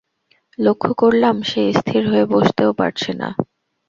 লক্ষ করলাম, সে স্থির হয়ে বসতেও পারছে না।